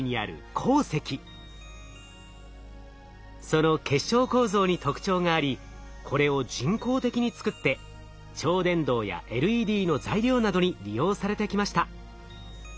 その結晶構造に特徴がありこれを人工的に作って超電導やＬＥＤの材料などに利用されてきました。